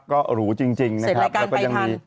ก็หรูจริงนะครับแล้วก็ยังมีสิ่งรายการไปทัน